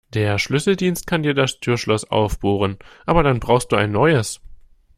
Der Schlüsseldienst kann dir das Türschloss aufbohren, aber dann brauchst du ein neues.